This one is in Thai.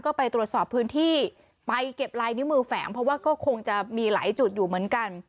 ก็ไปตรวจสอบพื้นที่ไปเก็บลายนิ้วมือแฝงเพราะว่าก็คงจะมีหลายจุดอยู่เหมือนกัน